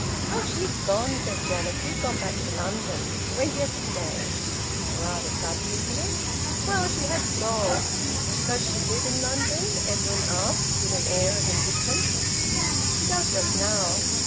"Oh! She's gone," said Janet. "She's gone back to London. Went yesterday." "Rather sudden, isn't it?" "Well, she had to go." "Does she live in London?" Edwin asked, with an air of indifference. "She does just now."